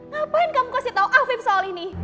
ngapain kamu kasih tahu afiq soal ini